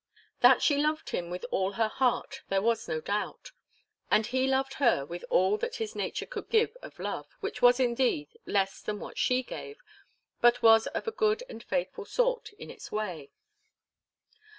That she loved him with all her heart, there was no doubt; and he loved her with all that his nature could give of love, which was, indeed, less than what she gave, but was of a good and faithful sort in its way.